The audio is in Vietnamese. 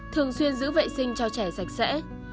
thường xuyên giữ vệ sinh cho trẻ sạch sẽ